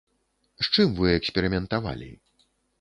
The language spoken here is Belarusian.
З чым вы эксперыментавалі?